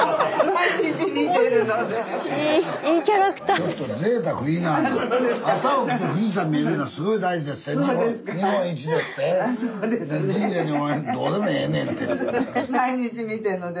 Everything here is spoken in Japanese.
毎日見てるので。